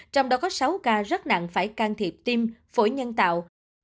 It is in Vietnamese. trong đó có sáu ca rất nặng phải can thiệp tim phổi nhân tạo